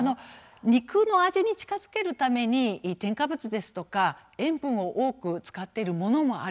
肉の味に近づけるために添加物ですとか塩分を多く使っているものもある。